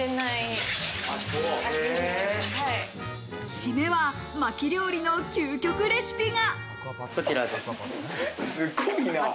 締めは薪料理の究極レシピが。